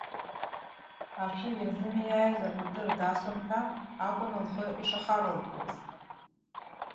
Аҽы иазымиааиз акәадыр дасуан ҳәа акәын лхы ишахаралтәуаз.